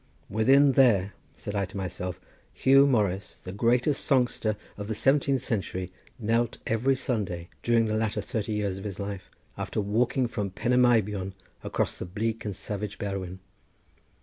"Within there," said I to myself, "Huw Morris, the greatest songster of the seventeenth century, knelt every Sunday during the latter thirty years of his life, after walking from Pont y Meibion across the bleak and savage Berwyn.